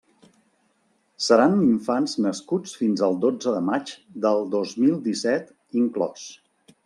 Seran infants nascuts fins al dotze de maig del dos mil disset, inclòs.